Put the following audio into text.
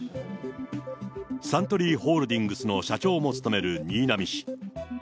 サントリーホールディングスの社長も務める新浪氏。